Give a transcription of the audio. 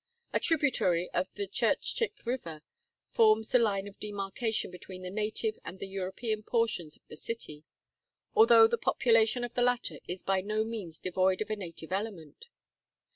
A tributary of the Tchirtchick river forms the line of demarcation between the native and the European portions of the city, although the population of the latter is by no means devoid of a native element.